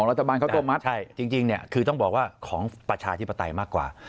รัฐบาลเขาตัวมัดจริงเนี่ยคือต้องบอกว่าของประชาธิปไตยมากกว่า